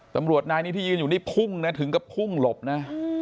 ตำรวจนายนี้ที่ยืนอยู่นี่พุ่งนะถึงกับพุ่งหลบนะ